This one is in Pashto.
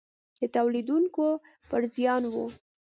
د تولیدوونکو پر زیان و.